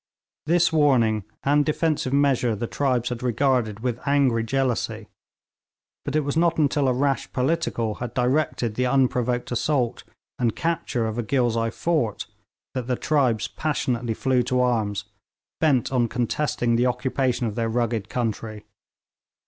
This warning and defensive measure the tribes had regarded with angry jealousy; but it was not until a rash 'political' had directed the unprovoked assault and capture of a Ghilzai fort that the tribes passionately flew to arms, bent on contesting the occupation of their rugged country.